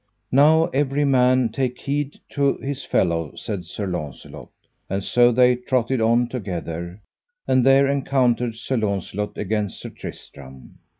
Now every man take heed to his fellow, said Sir Launcelot. And so they trotted on together, and there encountered Sir Launcelot against Sir Tristram.